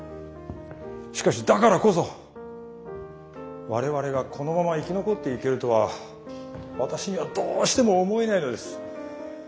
しかしだからこそ我々がこのまま生き残っていけるとは私にはどうしても思えないのです。